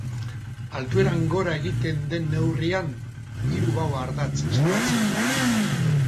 Altueran gora egiten den neurrian, hiru bao ardatz zabaltzen dira.